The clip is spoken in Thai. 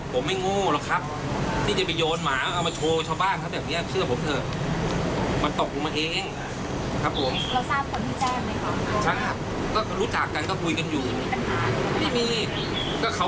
ก็เขาก็จะเป็นคนมาเช่าแผงหมูในตลาดจะไปจ่ายปั๊กให้เขา